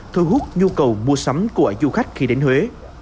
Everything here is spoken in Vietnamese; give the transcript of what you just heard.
thu hút nhu cầu mua sắm của du khách khi đến huế